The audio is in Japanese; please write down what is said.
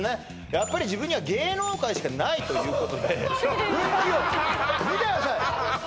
やっぱり自分には芸能界しかないということで復帰を見てください！